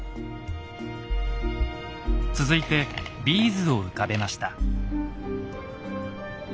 続いてビーズを浮かべました。